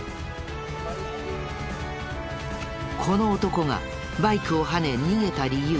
この男がバイクをはね逃げた理由